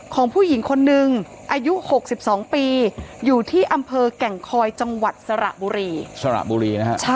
ของผู้หญิงคนหนึ่งอายุ๖๒ปีอยู่ที่อำเภอแก่งคอยจังหวัดสระบุรี